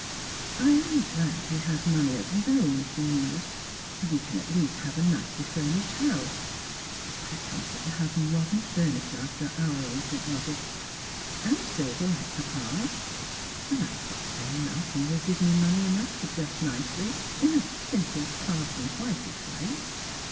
" I am glad he has money of his own," she mused. " We caiv at least have a nicely furnished house — what a comfort to have modern furniture after our ancient rubbish! — and silver like papa's. And I daresay Malcolm will give memoney enough to dress nicely, in a simple parson's wifeish way.